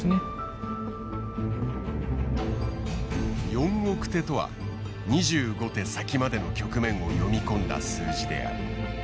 ４億手とは２５手先までの局面を読み込んだ数字である。